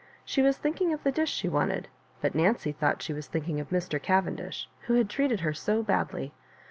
She was thinking of the dish she wanted, but Nancy thought she was. thinking of Mr. Cavendish, who had treated her so badly.